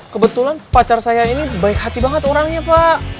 kebetulan pacar saya ini baik hati banget orangnya pak